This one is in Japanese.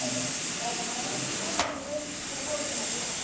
・村井さん村井さん思ったこと全部口から漏れてますよ。